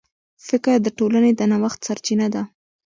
فکر د ټولنې د نوښت سرچینه ده.